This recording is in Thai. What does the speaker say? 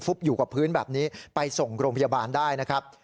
อยู่กับพื้นแบบนี้ไปส่งโรงพยาบาลได้นะครับ